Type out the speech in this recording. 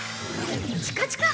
「チカチカ！」